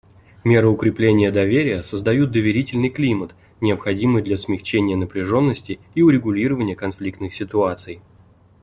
Меры укрепления доверия создают доверительный климат, необходимый для смягчения напряженности и урегулирования конфликтных ситуаций.